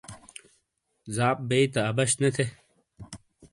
زاپ بئیی تا، عبش نے تھے۔